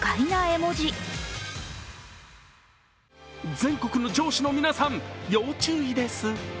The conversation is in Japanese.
全国の上司の皆さん、要注意です